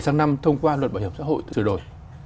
sang năm thông qua luật bảo hiểm xã hội sửa đổi